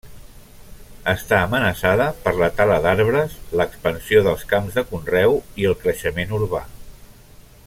Està amenaçada per la tala d'arbres, l'expansió dels camps de conreu i el creixement urbà.